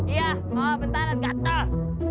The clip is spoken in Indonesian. iya bentaran gatel